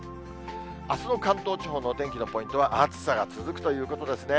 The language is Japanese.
あすの関東地方のお天気のポイントは、暑さが続くということですね。